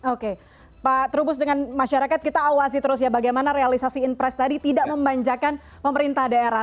oke pak trubus dengan masyarakat kita awasi terus ya bagaimana realisasi impres tadi tidak memanjakan pemerintah daerah